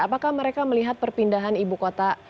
apakah mereka melihat perpindahan ibu kota